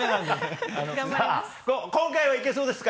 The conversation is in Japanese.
今回はいけそうですか？